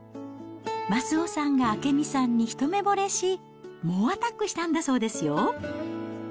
益男さんが明美さんに一目ぼれし、猛アタックしたんだそうですよ。